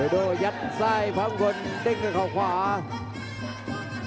โอ้โหไม่พลาดกับธนาคมโดโด้แดงเขาสร้างแบบนี้